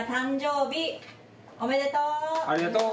ありがとう。